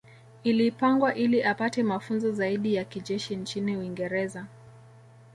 Ilipangwa ili apate mafunzo zaidi ya kijeshi nchini Uingereza